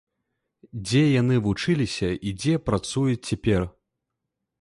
Дзе яны вучыліся і дзе працуюць цяпер?